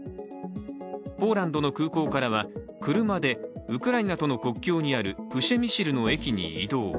ポーランドの空港からは車で、ウクライナとの国境にあるプシェミシルの駅に移動。